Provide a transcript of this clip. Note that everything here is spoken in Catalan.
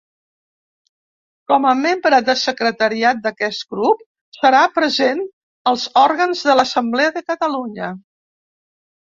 Com a membre de secretariat d'aquest grup serà present als òrgans de l'Assemblea de Catalunya.